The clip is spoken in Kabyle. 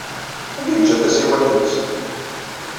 Anda ay yeǧǧa tasiwant-nnes?